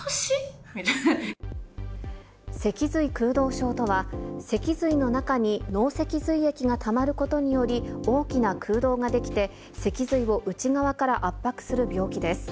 脊髄空洞症とは、脊髄の中に脳脊髄液がたまることにより、大きな空洞が出来て、脊髄を内側から圧迫する病気です。